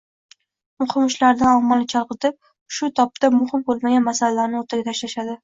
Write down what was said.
muhim ishlardan ommani chalg‘itib, shu topda muhim bo‘lmagan masalalarni o‘rtaga tashlashadi.